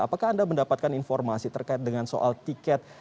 apakah anda mendapatkan informasi terkait dengan soal tiket